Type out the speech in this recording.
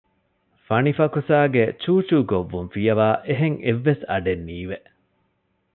ފަނިފަކުސާގެ ޗޫޗޫ ގޮއްވުން ފިޔަވައި އެހެން އެއްވެސް އަޑެއް ނީވެ